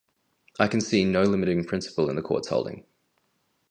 I can see no limiting principle in the Court's holding.